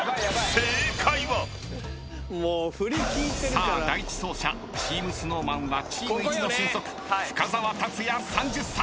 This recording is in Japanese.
さあ第１走者チームＳｎｏｗＭａｎはチームいちの俊足深澤辰哉３０歳。